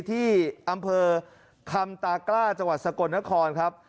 ที่อำเภอคำตากล้าจังหวัดสกลนครครับ